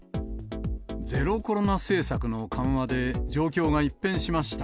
ゼロコロナ政策の緩和で、状況が一変しました。